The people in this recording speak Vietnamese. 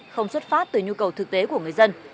không xuất phát từ nhu cầu thực tế của người dân